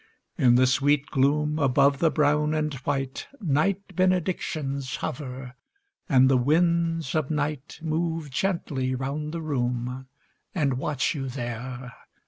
In the sweet gloom above the brown and white Night benedictions hover; and the winds of night Move gently round the room, and watch you there.